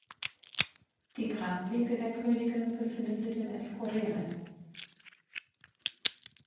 Die Grablege der Könige befindet sich im Escorial.